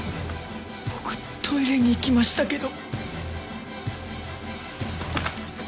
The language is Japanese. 僕トイレに行きましたけど。